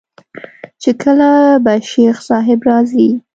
چې کله به شيخ صاحب راځي.